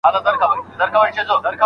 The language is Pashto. آیا کرایه کور تر خپل کور ګران دی؟